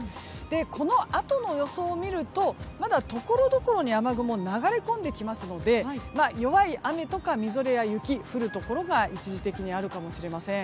このあとの予想を見るとまだ、ところどころに雨雲が流れ込んできますので弱い雨とか、みぞれや雪が降るところが一時的にあるかもしれません。